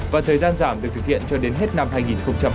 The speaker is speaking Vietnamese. và thời gian giảm được thực hiện cho đến hết năm hai nghìn hai mươi